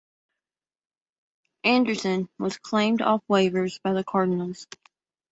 Anderson was claimed off waivers by the Cardinals.